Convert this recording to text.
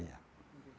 saya sudah pikir begitu